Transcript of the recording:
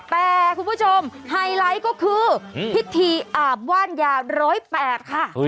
แต่คุณผู้ชมไฮไลท์ก็คือพิธีอาบว่านยา๑๐๘ค่ะ